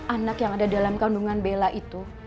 anak yang ada dalam kandungan bella itu